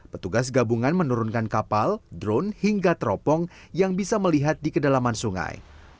petugas gabungan menurunkan kapal drone hingga teropong yang bisa melihat di kedalaman sungai